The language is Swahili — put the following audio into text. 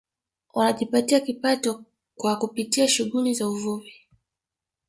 Wanajipatia kipato kwa kupitia shughuli za uvuvi